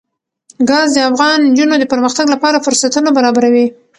ګاز د افغان نجونو د پرمختګ لپاره فرصتونه برابروي.